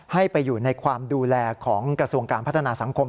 ให้ไปอยู่ในความดูแลของกระทรวงการพัฒนาสังคม